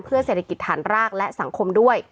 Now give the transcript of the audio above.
เศรษฐกิจฐานรากและสังคมด้วย